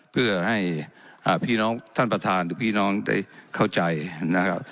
เพื่อให้พี่น้องท่านประธานหรือพี่น้องได้เข้าใจนะครับ